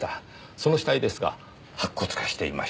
その死体ですが白骨化していました。